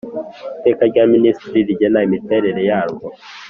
Iteka rya minisitiri rigena imiterere yarwo